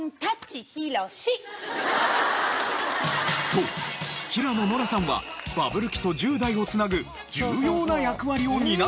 そう平野ノラさんはバブル期と１０代を繋ぐ重要な役割を担っていたのです。